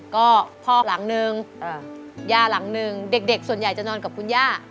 ก็พ่อหลังหนึ่งอ่าย่าหลังหนึ่งเด็กเด็กส่วนใหญ่จะนอนกับคุณย่า